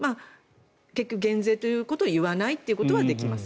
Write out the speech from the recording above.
結局減税ということは言わないというのはできます。